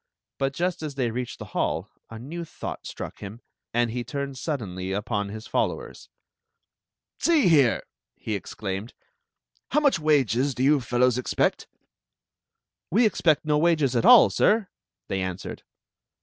But jv t as they reached the hall a new thou^l r.ck him, and he turned suddenly upon his followers: "See here!" he exclaimed. "How much wages do you fellows expect.^" "We expect no wages at all, sir," they answered.